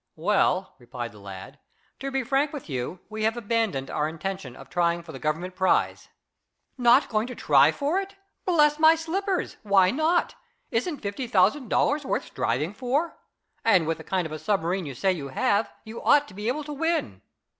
"Well," replied the lad, "to be frank with you, we have abandoned our intention of trying for the Government prize." "Not going to try for it? Bless my slippers! Why not? Isn't fifty thousand dollars worth striving for? And, with the kind of a submarine you say you have, you ought to be able to win."